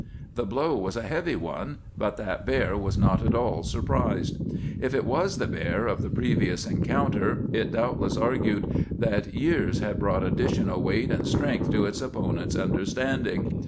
The blow was a heavy one, but that bear was not at all surprised. If it was the bear of the previous encounter, it doubtless argued that years had brought additional weight and strength to its opponent's understanding.